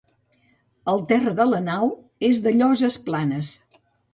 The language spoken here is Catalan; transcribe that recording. El terra de la nau és de lloses planes.